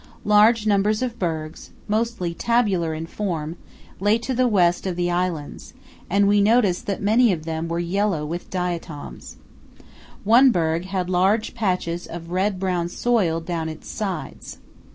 Large numbers of bergs, mostly tabular in form, lay to the west of the islands, and we noticed that many of them were yellow with diatoms. One berg had large patches of red brown soil down its sides.